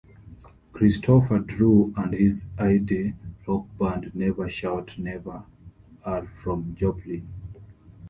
Christofer Drew and his indie rock band Never Shout Never are from Joplin.